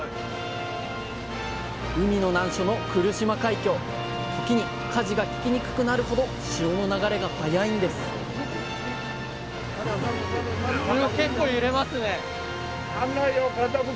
海の難所の来島海峡時にかじが利きにくくなるほど潮の流れが速いんですお！